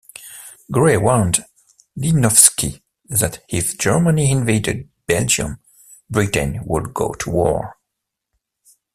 Grey warned Lichnowsky that if Germany invaded Belgium, Britain would go to war.